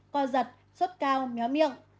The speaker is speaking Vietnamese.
co giật sốt cao méo miệng